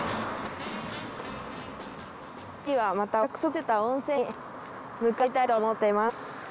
次はまたお約束してた温泉に向かいたいと思っています。